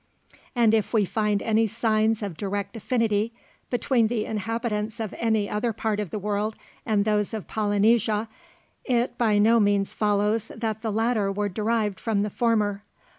And if we find any signs of direct affinity between the inhabitants of any other part of the world and those of Polynesia, it by no means follows that the latter were derived from the former.